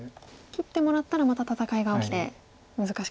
切ってもらったらまた戦いが起きて難しくなりますか。